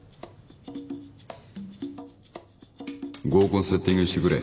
合コンセッティングしてくれ。